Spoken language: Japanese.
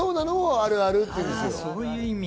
あぁ、そういう意味。